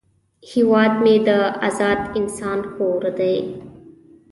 هیواد مې د آزاد انسان کور دی